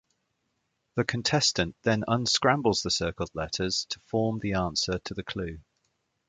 The contestant then unscrambles the circled letters to form the answer to the clue.